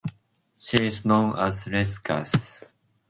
He is known as Les Gaz!